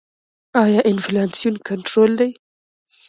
آیا انفلاسیون کنټرول دی؟